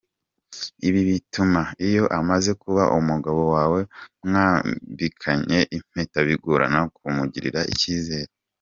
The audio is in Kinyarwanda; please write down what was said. Ibi bituma iyo amaze kuba umugabo wawe mwambikanye impeta bigorana kumugirira icyizere.